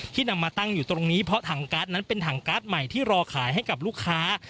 นำมาตั้งอยู่ตรงนี้เพราะถังการ์ดนั้นเป็นถังการ์ดใหม่ที่รอขายให้กับลูกค้า